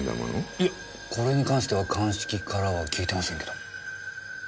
いえこれに関しては鑑識からは聞いてませんけど。